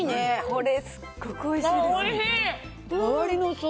これ、すっごくおいしいです。